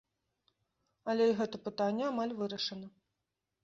Але і гэта пытанне амаль вырашана.